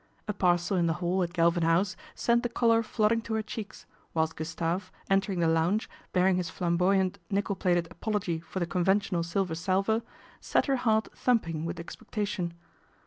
A parcel in the hall at Galvin House sent the colour flooding to her cheeks, whilst Gustave, entering the lounge, bear ing his flamboyant nickle plated apology for the conventional silver salver, set her heart thumping with expectation.